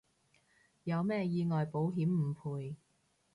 有咩意外保險唔賠